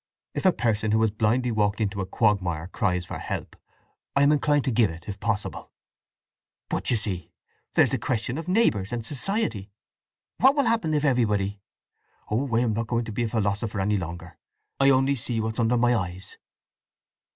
If a person who has blindly walked into a quagmire cries for help, I am inclined to give it, if possible." "But—you see, there's the question of neighbours and society—what will happen if everybody—" "Oh, I am not going to be a philosopher any longer! I only see what's under my eyes."